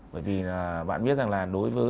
bởi vì bạn biết rằng là đối với tôi